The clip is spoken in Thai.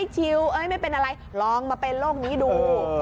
ชิลไม่เป็นอะไรลองมาเป็นโรคนี้ดู